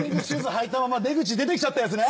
履いたまま出口出てきちゃったやつね。